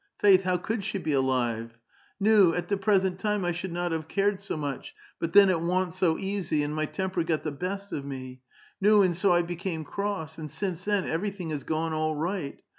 Faith, how could she be alive ! Nu^ at the present time I should not have cared so much, but then it wa'u't so easy, and m}* temper got the best of me. Nu^ and so I became cross. And since then everything has gone all right.